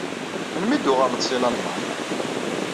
Melmi i d-tuɣaleḍ seg Lalman?